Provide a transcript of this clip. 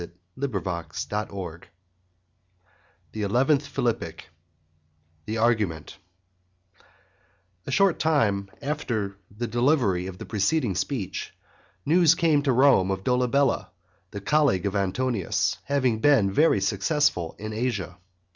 CALLED ALSO THE ELEVENTH PHILIPPIC THE ARGUMENT A short time after the delivery of the preceding speech, news came to Rome of Dolabella (the colleague of Antonius) having been very successful in Asia.